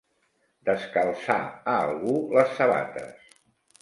Descalçar a algú les sabates.